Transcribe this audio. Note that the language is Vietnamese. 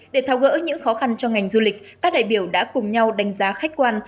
để thao gỡ những khó khăn cho ngành du lịch các đại biểu đã cùng nhau đánh giá khách quan